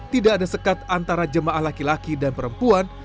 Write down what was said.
tidak ada sekat antara jemaah laki laki dan perempuan